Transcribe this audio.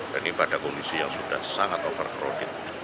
dan ini pada kondisi yang sudah sangat over crowded